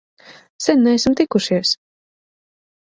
Sen neesam tikušies!